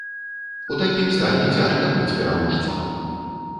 У такім стане цяжка быць пераможцам.